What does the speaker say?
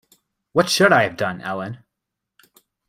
What should I have done, Ellen?